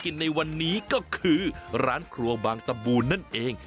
ในวันนี้ก็คือร้านครัวบางตะบูนนั่นเอง